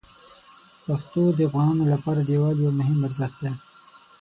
پښتو د افغانانو لپاره د یووالي یو مهم ارزښت دی.